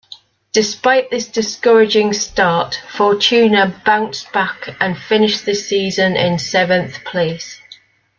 Despite this discouraging start, Fortuna bounced back and finished the season in seventh place.